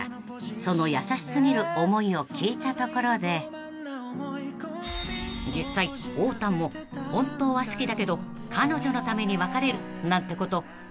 その優し過ぎる思いを聞いたところで実際おーたんも本当は好きだけど彼女のために別れるなんてことできるタイプなんでしょうか？］